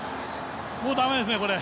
駄目ですね、これ。